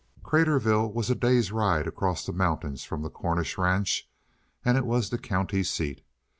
Craterville was a day's ride across the mountains from the Cornish ranch, and it was the county seat.